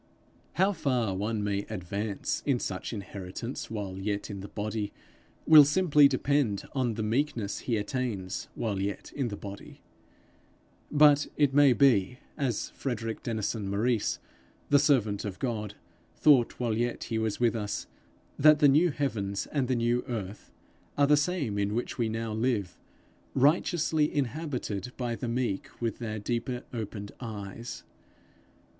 How far one may advance in such inheritance while yet in the body, will simply depend on the meekness he attains while yet in the body; but it may be, as Frederick Denison Maurice, the servant of God, thought while yet he was with us, that the new heavens and the new earth are the same in which we now live, righteously inhabited by the meek, with their deeper opened eyes.